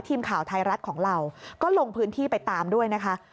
ทีมข่าวไทยรัฐของเราก็ลงพื้นที่ไปตามด้วยนะคะ